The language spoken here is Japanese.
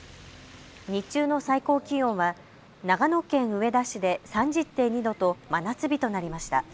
日中の最高気温は長野県上田市で３０．２度と真夏日となりました。